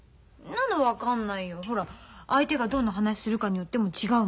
ほら相手がどんな話するかによっても違うもん。